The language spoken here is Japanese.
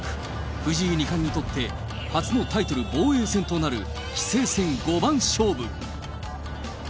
藤井二冠にとって、初のタイトル防衛戦となる棋聖戦五番勝負。